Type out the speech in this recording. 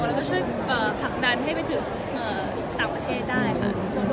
แล้วก็ช่วยผลักดันให้ไปถึงต่างประเทศได้ค่ะ